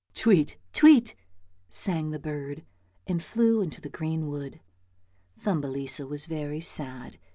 " Tweet, tweet," sang the bird, and flew into the green wood. Thumbelisa was very sad.